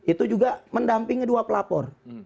itu juga mendampingi dua pelapor